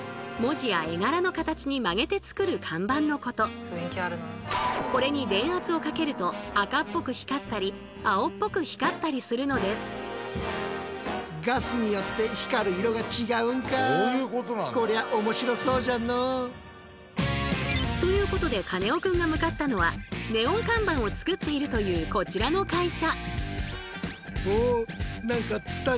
夜を彩るこれに電圧をかけると赤っぽく光ったり青っぽく光ったりするのです。ということでカネオくんが向かったのはネオン看板を作っているというこちらの会社。